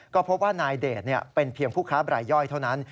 ก็พบว่านายเดชเป็นเพียงผู้ค้าบรายย่อยเท่านั้น